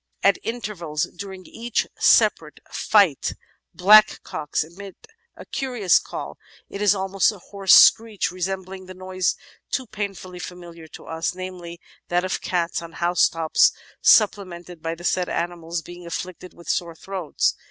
"At intervals during each separate fight, blackcocks emit a curious call ; it is almost a hoarse screech, resembling the noise too painfully familiar to us, namely, that of cats on housetops supple mented by the said animals being afflicted with sore throats.